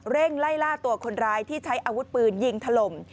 ไล่ล่าตัวคนร้ายที่ใช้อาวุธปืนยิงถล่ม